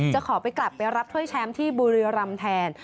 จะขอไปกลับไปรับถ้วยแชมป์ที่บุรีรำแทน